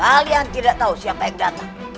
kalian tidak tahu siapa yang datang